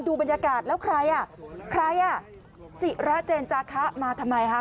ดูบรรยากาศแล้วใครอ่ะใครอ่ะศิราเจนจาคะมาทำไมคะ